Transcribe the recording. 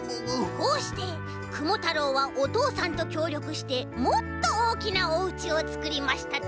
こうしてクモ太郎はおとうさんときょうりょくしてもっとおおきなおうちをつくりましたとさ。